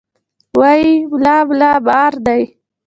وې ملا ملا مار دی.